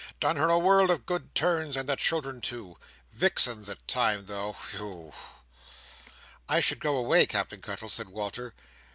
"Done her a world of good turns, and the children too. Vixen at times, though. Whew!" "I should go away, Captain Cuttle," said Walter.